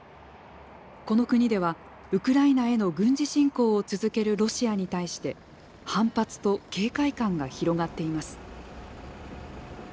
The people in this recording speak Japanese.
この国ではウクライナへの軍事侵攻を続けるロシアに対して反発と警戒感が広がっています。